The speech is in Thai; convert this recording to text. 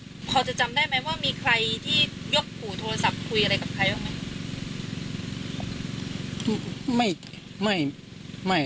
พอจะจำได้ไหมว่ามีใครที่ยกหูโทรศัพท์คุยอะไรกับใครบ้างไหม